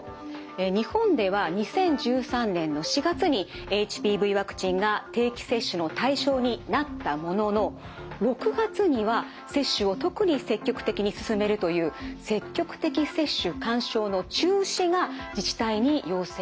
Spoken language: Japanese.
日本では２０１３年の４月にＨＰＶワクチンが定期接種の対象になったものの６月には接種を特に積極的に勧めるという積極的接種勧奨の中止が自治体に要請されました。